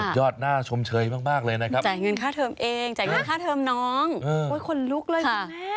ยอดน่าชมเชยมากเลยนะครับจ่ายเงินค่าเทอมเองจ่ายเงินค่าเทอมน้องคนลุกเลยคุณแม่